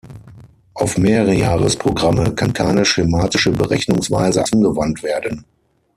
Auf Mehrjahresprogramme kann keine schematische Berechnungsweise angewandt werden.